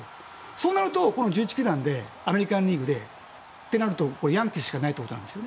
そうなると１１球団でアメリカン・リーグでってなるとヤンキースしかないってことです